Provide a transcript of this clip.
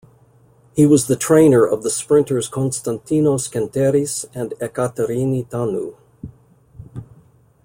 He was the trainer of the sprinters Konstantinos Kenteris and Ekaterini Thanou.